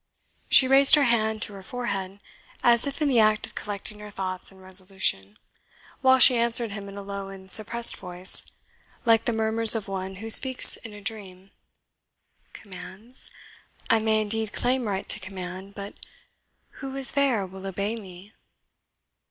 She raised her hand to her forehead, as if in the act of collecting her thoughts and resolution, while she answered him in a low and suppressed voice, like the murmurs of one who speaks in a dream "Commands? I may indeed claim right to command, but who is there will obey me!"